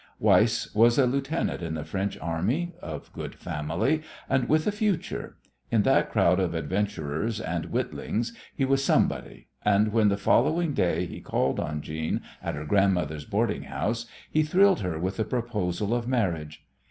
Weiss was a lieutenant in the French Army, of good family, and with a future. In that crowd of adventurers and witlings he was a somebody, and when the following day he called on Jeanne at her grandmother's boarding house he thrilled her with a proposal of marriage.